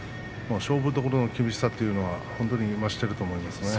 勝負どころの厳しさというのは本当に増していると思います。